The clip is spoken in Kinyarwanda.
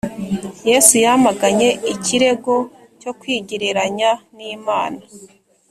Yesu yamaganye ikirego cyo kwigereranya n’Imana